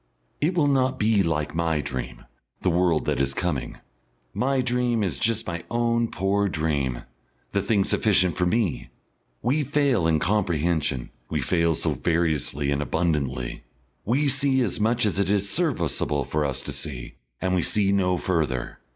It will not be like my dream, the world that is coming. My dream is just my own poor dream, the thing sufficient for me. We fail in comprehension, we fail so variously and abundantly. We see as much as it is serviceable for us to see, and we see no further.